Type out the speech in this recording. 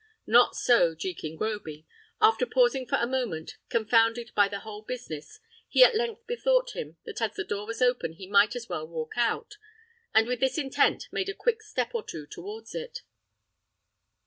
Not so Jekin Groby: after pausing for a moment, confounded by the whole business, he at length bethought him, that as the door was open he might as well walk out, and with this intent made a quick step or two towards it.